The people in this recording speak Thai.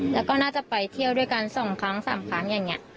แล้วก็น่าจะไปเที่ยวด้วยกัน๒ครั้ง๓ครั้งอย่างนี้